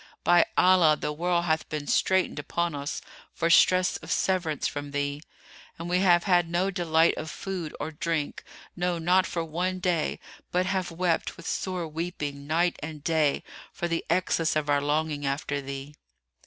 By Allah the world hath been straitened upon us for stress of severance from thee, and we have had no delight of food or drink; no, not for one day, but have wept with sore weeping night and day for the excess of our longing after thee!"